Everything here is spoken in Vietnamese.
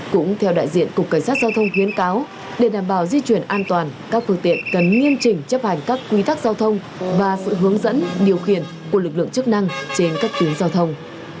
cũng theo đại diện cục cảnh sát giao thông khuyến cáo để đảm bảo di chuyển an toàn các phương tiện cần nghiêm chỉnh chấp hành các quy tắc giao thông và sự hướng dẫn điều khiển của lực lượng chức năng trên các tuyến giao thông